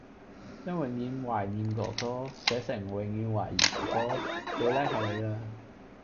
將「永遠懷念哥哥」寫成「永遠懷疑哥哥」最叻係你啦